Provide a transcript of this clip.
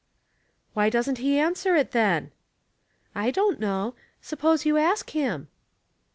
" Why doesn't he answer it then? "" I don't know. Suppose you ask him